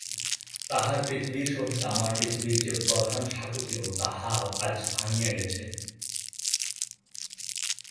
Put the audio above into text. তাঁহার পৃথিবীর সহিত আমার পৃথিবীর যে প্রধান সাঁকো ছিল সেটা আজ ভাঙিয়া গেছে।